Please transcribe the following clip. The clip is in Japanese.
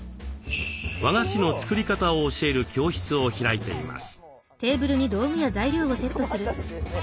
和菓子の作り方を教える教室を開いています。